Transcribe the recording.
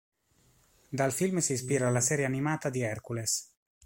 Dal film si ispira la serie animata di Hercules.